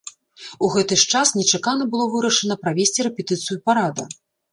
У гэты ж час нечакана было вырашана правесці рэпетыцыю парада.